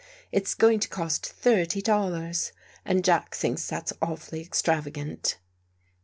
It's going to cost thirty dollars. And Jack thinks that's awfully extrava gant."